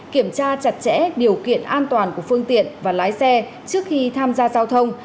kiểm tra chặt chẽ điều kiện an toàn của phương tiện và lái xe trước khi tham gia giao thông